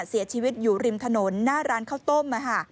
เสียชีวิตอยู่ริมถนนหน้าร้านข้าวต้ม